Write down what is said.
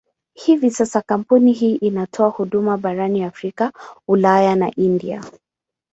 Hivi sasa kampuni hii inatoa huduma barani Afrika, Ulaya na India.